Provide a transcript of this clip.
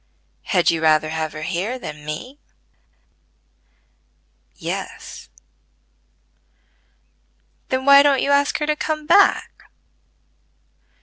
"Had you rather have her here than me?" "Yes." "Then why don't you ask her to come back."